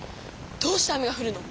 どうして雨がふるの？